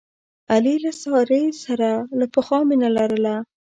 علي له سارې سره له پخوا مینه لرله.